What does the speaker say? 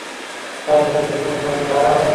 ایا د تلیفون زنګ بیا راغی؟